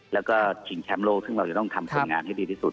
แล้วก็ชิงแชมป์โลกซึ่งเราจะต้องทำผลงานให้ดีที่สุด